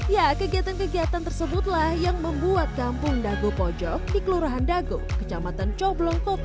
ya kegiatan kegiatan tersebutlah yang membuat kampung dago pojok di kelurahan dago kecamatan coblong